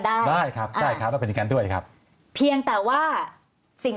ได้ได้ครับได้ครับแล้วเป็นอย่างนั้นด้วยครับเพียงแต่ว่าสิ่ง